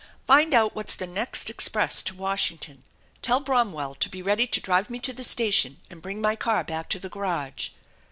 Find out what's the next express to Washington. Tell Bromwell to be ready to drive me to the station and bring my car back to the garage."